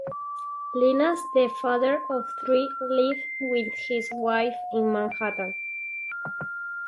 Lynas, the father of three, lives with his wife in Manhattan.